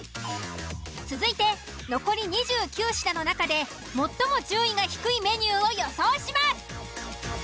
続いて残り２９品の中で最も順位が低いメニューを予想します。